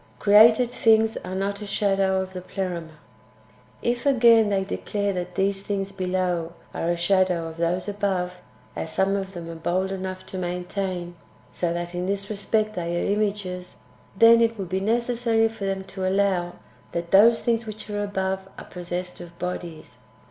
— Created tilings are not a shadow of the Pleroma. 1. If, again, they declare that these things [below] are a shadow of those [above], as some of them are bold enough to maintain, so that in this respect they are images, then it will be necessary for them to allow that those things which are above are possessed of bodies.